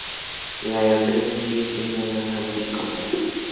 La empresa sigue siendo una family company.